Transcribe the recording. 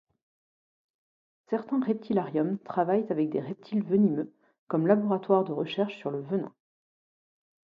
Certains reptilariums travaillent avec des reptiles venimeux comme laboratoires de recherche sur le venin.